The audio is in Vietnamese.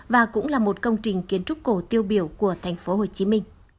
và cũng là một công trình kiến trúc cổ tiêu biểu của tp hcm